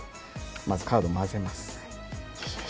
まずカードを混ぜます。